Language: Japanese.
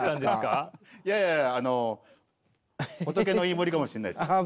いやいや仏の飯森かもしれないです。